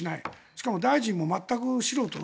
しかも、大臣も全く素人。